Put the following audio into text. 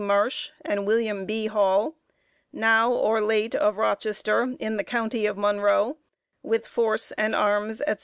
Marsh and William B. Hall, now, or late of Rochester, in the County of Monroe, with force and arms, &c.